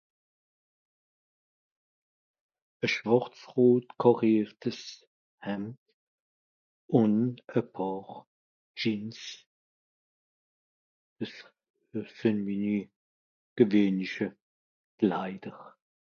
à schwàrz rot càrrièrtes Hemd ùn à paar jeans des des fìnd'i ni gewähnliche klaide